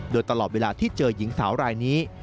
โดยตลอดเวลาที่เจอหญิงสาวรายนี้